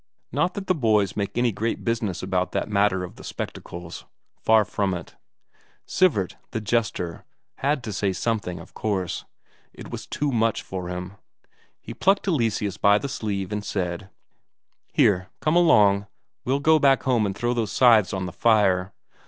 Not that the boys made any great business about that matter of the spectacles; far from it. Sivert, the jester, had to say something, of course; it was too much for him. He plucked Eleseus by the sleeve and said: "Here, come along, we'll go back home and throw those scythes on the fire.